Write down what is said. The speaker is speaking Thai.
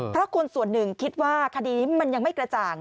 เพราะคนส่วนหนึ่งคิดว่าคดีนี้มันยังไม่กระจ่าง